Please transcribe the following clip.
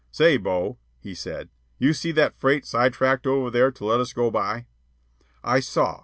"Say, Bo," he said, "you see that freight side tracked over there to let us go by?" I saw.